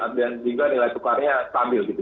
dan juga nilai tukarnya stabil gitu